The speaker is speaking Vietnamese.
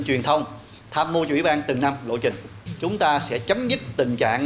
truyền thông tham mô cho ủy ban từng năm lộ trình chúng ta sẽ chấm dứt tình trạng là khả năng